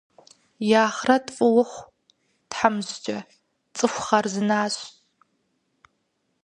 И ахърэт фӏы ухъу, тхьэмыщкӏэ, цӏыху хъарзынащ.